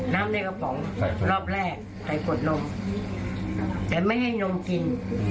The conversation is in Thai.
น้ำในกระป๋องใช่ครับรอบแรกใส่กดนมแต่ไม่ให้นมกิน